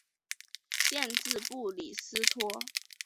县治布里斯托。